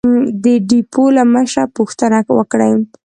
د ډېپو له مشره پوښتنه وکړئ!